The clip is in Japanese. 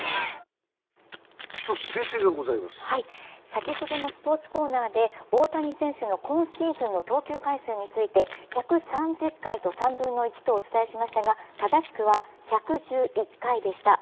先ほどのスポーツコーナーで大谷選手の今シーズンの投球回数について、１３０回と３分の１とお伝えしましたが正しくは１１１回でした。